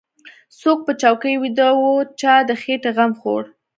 څوک په چوکۍ ويده و چا د خېټې غم خوړ.